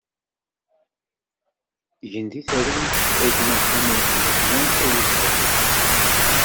Gen di talwit a gma Ḥamudi Yeḥya, d awezɣi ad k-nettu!